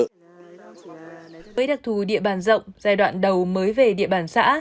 với đặc thù địa bàn rộng giai đoạn đầu mới về địa bàn xã